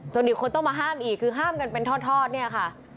อีกคนต้องมาห้ามอีกคือห้ามกันเป็นทอดเนี่ยค่ะ